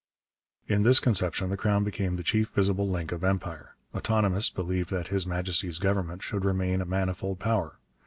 In this conception the Crown became the chief visible link of Empire. Autonomists believed that 'His Majesty's Government' should remain a manifold power.